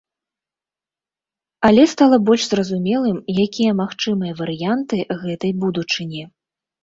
Але стала больш зразумелым, якія магчымыя варыянты гэтай будучыні.